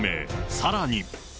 さらに。